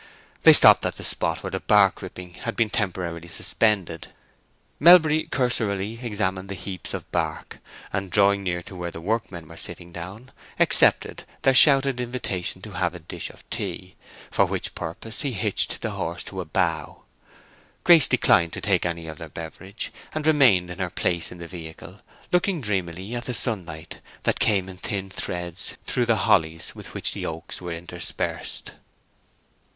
They stopped at the spot where the bark ripping had been temporarily suspended; Melbury cursorily examined the heaps of bark, and drawing near to where the workmen were sitting down, accepted their shouted invitation to have a dish of tea, for which purpose he hitched the horse to a bough. Grace declined to take any of their beverage, and remained in her place in the vehicle, looking dreamily at the sunlight that came in thin threads through the hollies with which the oaks were interspersed.